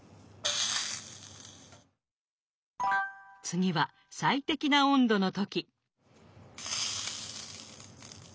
次は最適な温度の時。